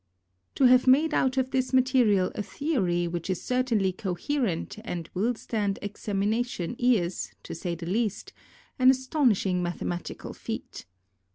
To have made out of this material a theory which is certainly coherent and will stand examination is, to say the least, an astonishing mathematical feat.